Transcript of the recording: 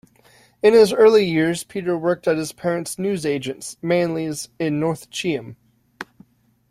In his early years Peter worked at his Parents newsagents, Manleys, in North Cheam.